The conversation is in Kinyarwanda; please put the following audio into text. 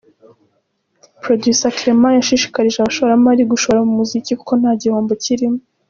Producer Clement yashishikarije abashoramari gushora mu muziki kuko nta gihombo kirimo.